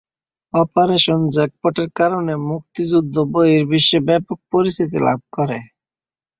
Operation জ্যাকপটের কারণে মুক্তিযুদ্ধ বহির্বিশ্বে ব্যাপক পরিচিতি লাভ করে।